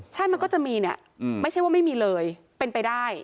ใช่มันก็จะมีเนี่ยไม่ใช่ว่าไม่มีเลยเป็นไปได้